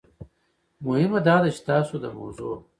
مهم داده چې تاسو د موضوع